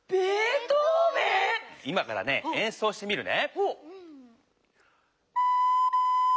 今からねえんそうしてみるね。